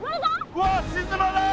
うわっしずまない！